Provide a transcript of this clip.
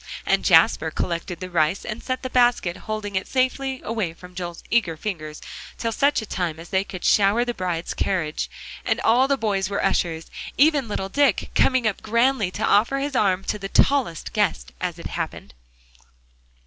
And Jasper collected the rice and set the basket holding it safely away from Joel's eager fingers till such time as they could shower the bride's carriage. And all the boys were ushers, even little Dick coming up grandly to offer his arm to the tallest guest as it happened.